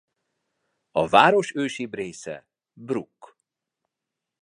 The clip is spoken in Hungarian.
A város ősibb része Bruck.